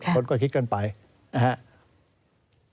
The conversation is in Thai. คนก็คิดกันไปนะครับ